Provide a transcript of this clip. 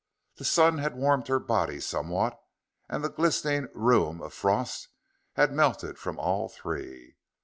The sun had warmed her body somewhat, and the glistening rheum of frost had melted from all three.